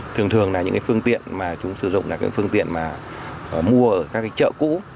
thường thường là những phương tiện mà chúng sử dụng là phương tiện mà mua ở các chợ cũ